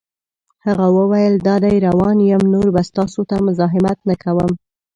هغه وویل: دادی روان یم، نور به ستاسو ته مزاحمت نه کوم.